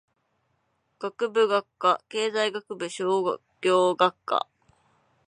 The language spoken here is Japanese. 学部・学科経済学部商業学科